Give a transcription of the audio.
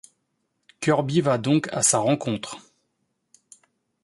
Kirby va donc à sa rencontre.